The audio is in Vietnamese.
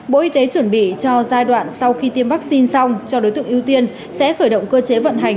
bộ y tế chuẩn bị cho giai đoạn sau khi tiêm vaccine xong cho đối tượng ưu tiên sẽ khởi động cơ chế vận hành